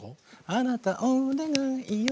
「あなたお願いよ」